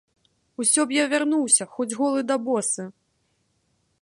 Усё б я вярнуўся, хоць голы да босы!